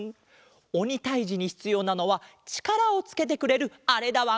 おにたいじにひつようなのはちからをつけてくれるあれだわん。